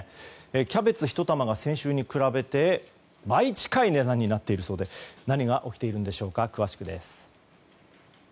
キャベツ１玉が先週に比べて倍近い値段になっているようで何が起きているんでしょうか詳しくです。